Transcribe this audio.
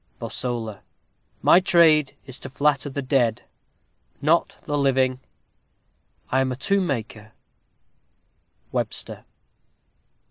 Bosola. My trade is to flatter the dead not the living I am a tomb maker. WEBSTER.